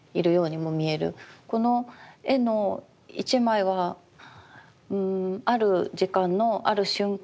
この絵の一枚はある時間のある瞬間